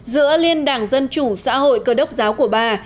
giữa liên đảng dân chủ xã hội cơ đốc giáo của bà